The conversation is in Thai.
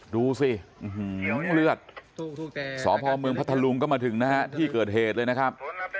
ดูสิเลือดสพเมืองพัทธลุงก็มาถึงนะฮะที่เกิดเหตุเลยนะครับ